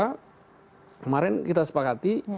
kemarin kita sepakati